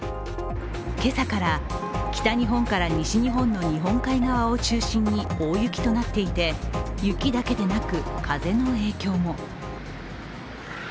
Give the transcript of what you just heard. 今朝から北日本から西日本の日本海側を中心に大雪となっていて、雪だけでなく風の影響も。